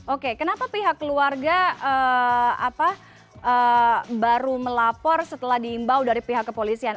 oke kenapa pihak keluarga baru melapor setelah diimbau dari pihak kepolisian